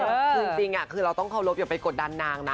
คือจริงคือเราต้องเคารพอย่าไปกดดันนางนะ